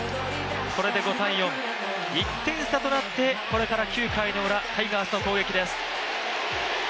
これで５−４、１点差となってこれから９回のウラタイガースの攻撃です。